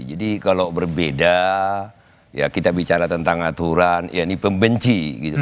jadi kalau berbeda ya kita bicara tentang aturan ya ini pembenci gitu